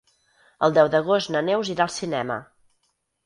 El deu d'agost na Neus irà al cinema.